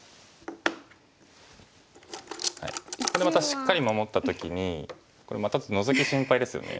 またしっかり守った時にこれまたノゾキ心配ですよね。